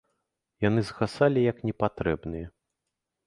Яны згасалі, як непатрэбныя.